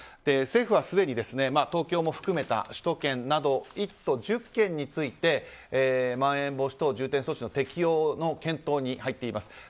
政府はすでに東京も含めた首都圏など１都１０県についてまん延防止等重点措置の適用の検討に入っています。